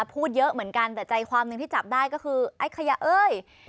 พูดเยอะเหมือนกันแต่ใจความหนึ่งที่จับได้ก็คือไอ้ขยะเอ้ย